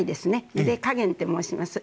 ゆで加減って申します。